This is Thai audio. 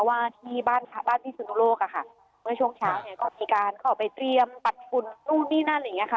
ว่าที่บ้านที่สุนุโลกค่ะเมื่อช่วงเช้าก็มีการเข้าไปเตรียมปัจจุคุณนู่นนี่นั่นอย่างนี้ค่ะ